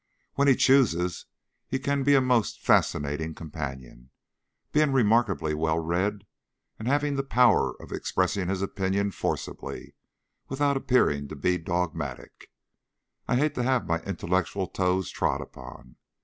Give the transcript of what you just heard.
When he chooses he can be a most fascinating companion, being remarkably well read, and having the power of expressing his opinion forcibly without appearing to be dogmatic. I hate to have my intellectual toes trod upon.